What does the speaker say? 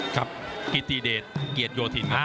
ครับคิตตีเดทเกียรตย์โยธินครับ